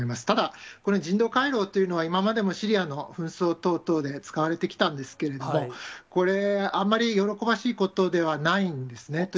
ただ、これ、人道回廊っていうのは、今までもシリアの紛争等々で使われてきたんですけれども、これ、あんまり喜ばしいことではないんですね。